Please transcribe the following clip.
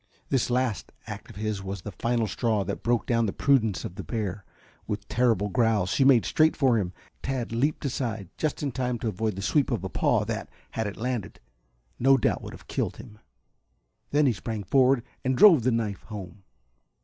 This last act of his was the final straw that broke down the prudence of the bear. With terrible growls she made straight for him. Tad leaped aside just in time to avoid the sweep of a paw that, had it landed, no doubt would have killed him. Then he sprang forward and drove the knife home.